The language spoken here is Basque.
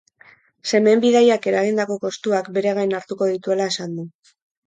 Semeen bidaiak eragindako kostuak bere gain hartuko dituela esan du.